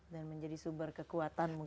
dan menjadi sumber kekuatan mungkin ya